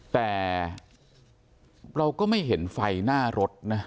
แต่เราก็ไม่เห็นไฟหน้ารถนะ